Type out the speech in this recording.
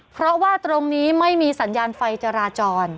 เพราะว่าตรงนี้ไม่มีสัญญาณไฟจราจร